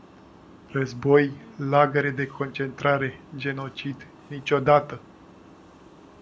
Război, lagăre de concentrare, genocid - niciodată!